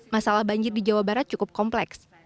masalah banjir di jawa barat cukup kompleks